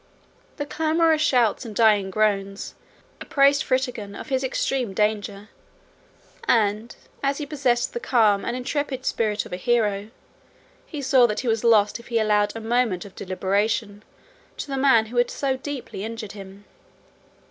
The clamorous shouts and dying groans apprised Fritigern of his extreme danger; and, as he possessed the calm and intrepid spirit of a hero, he saw that he was lost if he allowed a moment of deliberation to the man who had so deeply injured him.